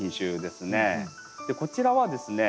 こちらはですね